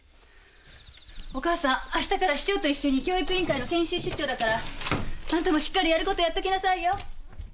お母さんあしたから市長と一緒に教育委員会の研修出張だからあんたもしっかりやることやっときなさいよ。